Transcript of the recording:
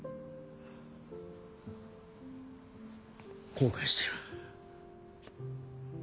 後悔してる。